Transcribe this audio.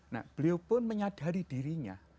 nah beliau pun menyadari dirinya